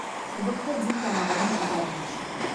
Сыбыҡты Дим тамағынан улдарым ташый.